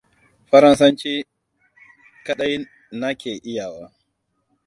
Faransanci kaɗai na ke iyawa.